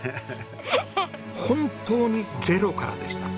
本当にゼロからでした。